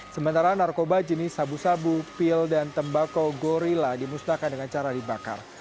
sementara narkoba jenis sabu sabu pil dan tembakau gorilla dimusnahkan dengan cara dibakar